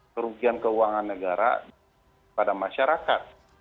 kerugian keuangan negara pada masyarakat